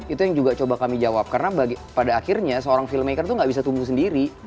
itu yang juga coba kami jawab karena pada akhirnya seorang filmmaker itu gak bisa tumbuh sendiri